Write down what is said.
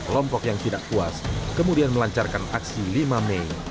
kelompok yang tidak puas kemudian melancarkan aksi lima mei